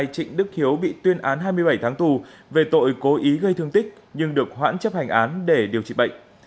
trịnh đức hiếu bị tuyên án hai mươi bảy tháng tù về tội cố ý gây thương tích nhưng được hoãn chấp hành án để điều trị bệnh